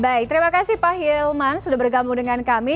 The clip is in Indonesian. baik terima kasih pak hilman sudah bergabung dengan kami